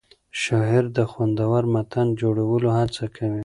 شاعر د خوندور متن جوړولو هڅه کوي.